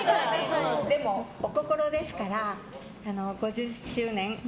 でもお宝ですから５０周年。